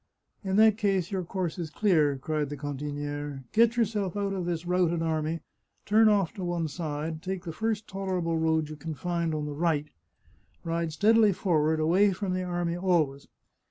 " In that case your course is clear," cried the cantiniere. " Get yourself out of this routed army, turn off to one side, take the first tolerable road you can find on the right, ride steadily forward, away from the army always.